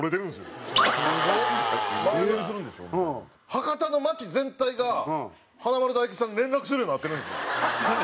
博多の街全体が華丸・大吉さんに連絡するようになってるんですよ。